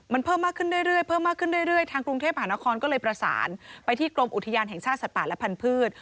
มันเพิ่มมากขึ้นเรื่อยเพิ่มมากขึ้นเรื่อยทางกรุงเทพหานครก็เลยประสานไปที่กรมอุทยานแห่งชาติสัตว์ป่าและพันธุ์